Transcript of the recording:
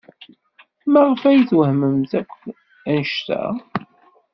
Maɣef ay wehtment akk anect-a?